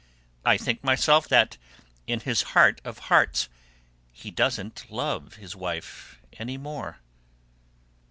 I think myself that in his heart of hearts he doesn't love his wife any more."